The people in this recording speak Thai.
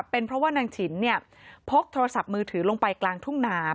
เป็นเพราะว่านางฉินพกโทรศัพท์มือถือลงไปกลางทุ่งนา